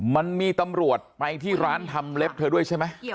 มันมีตำรวจไปที่ร้านทำเล็บเธอด้วยใช่ไหม